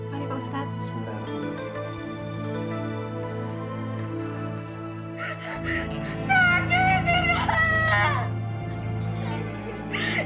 mari pak ustadz